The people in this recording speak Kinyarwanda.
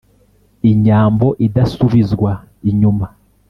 inyambo idasubizwa inyuma,